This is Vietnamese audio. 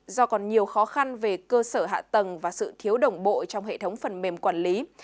do còn nhiều khó khăn về cơ sở hạ tầng và sự thiếu đồng bộ trong hệ thống phần mềm quản lý